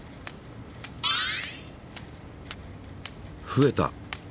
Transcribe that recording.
増えた。